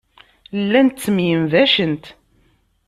Llant ttemyenbacent.